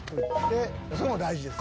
それも大事です。